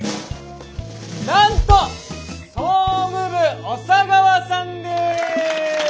なんと総務部小佐川さんです。